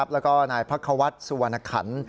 และนายพระควัฒนธ์สุวรรณคัน